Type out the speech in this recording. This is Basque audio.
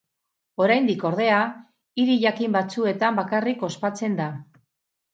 Oraindik, ordea, hiri jakin batzuetan bakarrik ospatzen da.